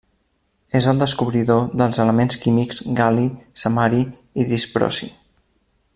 És el descobridor dels elements químics gal·li, samari i disprosi.